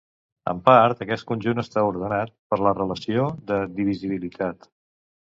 En part, aquest conjunt està ordenat per la relació de divisibilitat.